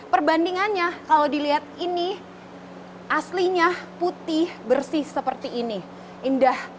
perbandingannya kalau dilihat ini aslinya putih bersih seperti ini indah